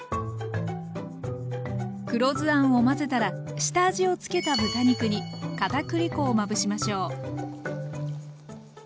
黒酢あんを混ぜたら下味をつけた豚肉に片栗粉をまぶしましょう。